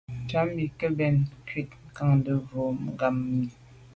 Ntsham nkin mi mbèn nkut kandà ma’ bwe boa ngàm mi.